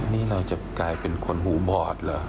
นี่เราจะกลายเป็นคนหูบอดเหรอ